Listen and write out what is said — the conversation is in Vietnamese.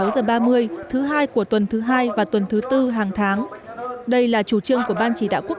sáu giờ ba mươi thứ hai của tuần thứ hai và tuần thứ tư hàng tháng đây là chủ trương của ban chỉ đạo quốc